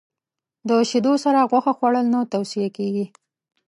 د شیدو سره غوښه خوړل نه توصیه کېږي.